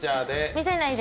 見せないで。